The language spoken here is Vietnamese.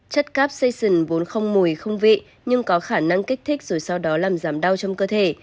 chất capcation vốn không mùi không vị nhưng có khả năng kích thích rồi sau đó làm giảm đau trong cơ thể